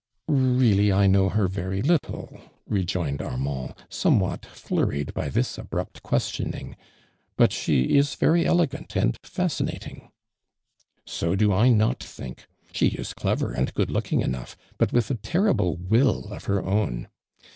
" lieally, 1 know her very little," rejoined Armand, somewhat flurried by this abrupt questioning, " but she is very elegant and fascinating." " So do I not think. She is clever, and good looking enough, but with a terrible will of her own.